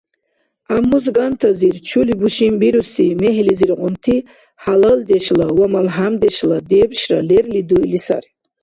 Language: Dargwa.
ГӀяммузгантазир, чули бушинбируси мегьлизиргъунти, хӀялалдешла ва малхӀямдешла дебшра лерли дуили сари.